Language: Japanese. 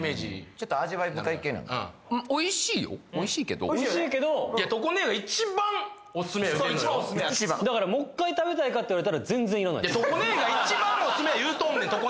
ちょっと味わい深い系なんかなおいしいけどおいしいけどそう一番おすすめやだからもう一回食べたいかって言われたら全然いらないいやトコ姉が一番オススメや言うとんねんトコ